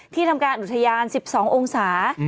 ที่ทำการอุจญาณ๑๒องศา